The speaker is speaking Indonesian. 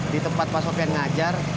di tempat pak sofian ngajar